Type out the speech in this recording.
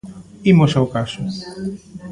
Imos ao caso.